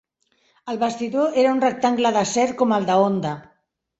El bastidor era un rectangle d"acer com el de Honda.